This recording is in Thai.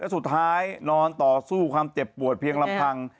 สุดท้ายนอนต่อสู้ความเจ็บปวดเพียงลำพัง